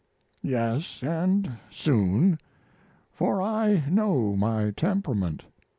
Yes. And soon. For I know my temperament.